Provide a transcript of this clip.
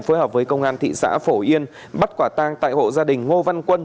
phối hợp với công an thị xã phổ yên bắt quả tang tại hộ gia đình ngô văn quân